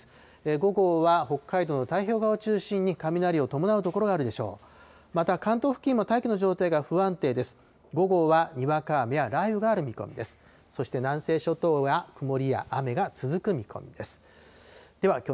午後は北海道の太平洋側を中心に、雷を伴う所があるでしょう。